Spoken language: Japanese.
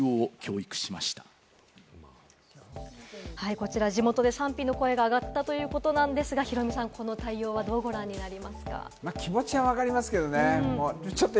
こちら、地元で賛否の声が上がったということなんですが、ヒロミさん、この対応はどうご覧になりますか？